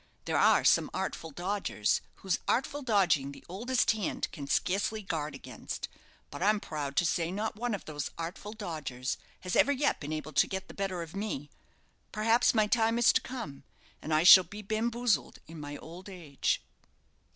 There are some artful dodgers, whose artful dodging the oldest hand can scarcely guard against; but I'm proud to say not one of those artful dodgers has ever yet been able to get the better of me. Perhaps my time is to come, and I shall be bamboozled in my old age."